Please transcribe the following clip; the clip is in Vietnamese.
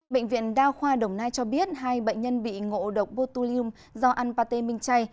bệnh viện đa khoa đồng nai cho biết hai bệnh nhân bị ngộ độc botulium do ăn pate minh chay